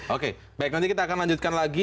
oke baik nanti kita akan lanjutkan lagi